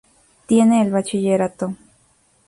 Tiene el bachillerato.